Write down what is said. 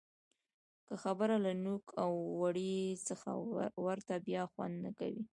که خبره له نوک او ورۍ څخه ووته؛ بیا خوند نه کوي.